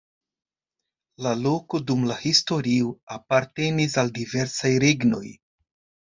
La loko dum la historio apartenis al diversaj regnoj.